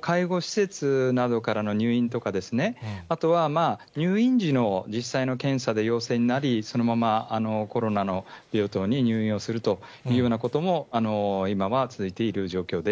介護施設などからの入院とかですね、あとは、入院時の実際の検査で陽性になり、そのままコロナの病棟に入院をするというようなことも、そうですか。